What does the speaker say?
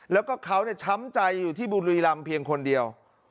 แล้วก็เขาช้ำใจอยู่ที่บุรีรำเพียงคนเดียว